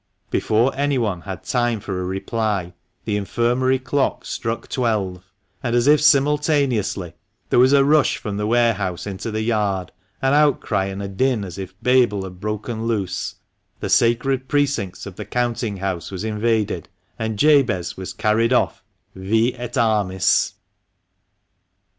Before anyone had time for reply, the Infirmary clock struck twelve, and, as if simultaneously, there was a rush from the warehouse into the yard, an outcry and a din, as if Babel had broken loose, the sacred precincts of the counting house was invaded, and Jabez was carried off vi ct armis.